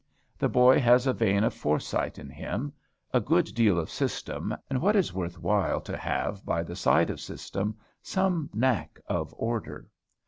The boy has a vein of foresight in him; a good deal of system; and, what is worth while to have by the side of system, some knack of order.